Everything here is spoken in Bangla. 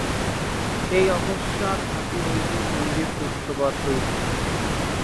এই অকস্মাৎ হাসি হইতে সন্ধির সূত্রপাত হইল।